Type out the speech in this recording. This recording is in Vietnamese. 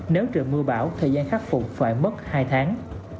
nếu trời mưa bão thời gian khắc phục phải mất hai tháng